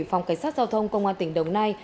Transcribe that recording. phòng cảnh sát giao thông công an tỉnh đồng nai